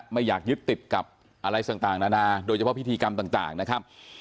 ไม่อยากยึดติดกับอะไรต่างนานาโดยเฉพาะพิธีกรรมต่างนะครับ